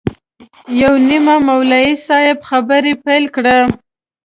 یو نیمه مولوي صاحب خبرې پیل کړې.